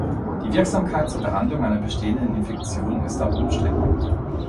Die Wirksamkeit zur Behandlung einer bestehenden Infektion ist aber umstritten.